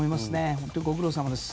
本当にご苦労さまです。